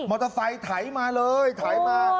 มอเตอร์ไซต์ถ่ายมาเลยถ่ายมา